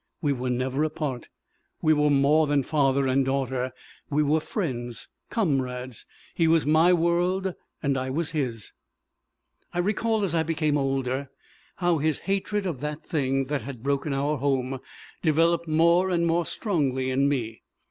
We were never apart. We were more than father and daughter; we were friends, comrades he was my world, and I was his. "I recall, as I became older, how his hatred of that thing that had broken our home developed more and more strongly in me.